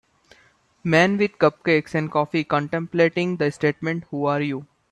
Man with cupcakes and coffee contemplating the statement who are you